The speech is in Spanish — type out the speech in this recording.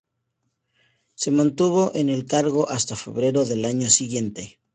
Se mantuvo en el cargo hasta febrero del año siguiente.